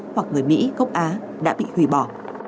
hoặc người mỹ gốc á đã bị hủy bỏ